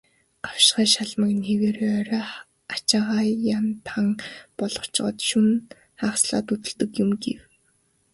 "Гавшгай шалмаг нь хэвээрээ, орой ачаагаа ян тан болгочхоод шөнө хагаслаад хөдөлдөг юм" гэв.